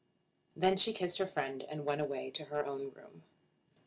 Then she kissed her friend and went away to her own room.